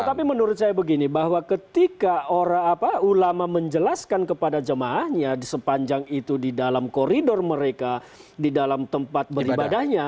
tetapi menurut saya begini bahwa ketika ulama menjelaskan kepada jemaahnya sepanjang itu di dalam koridor mereka di dalam tempat beribadahnya